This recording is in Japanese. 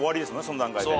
その段階で。